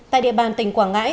tại địa bàn tỉnh quảng ngãi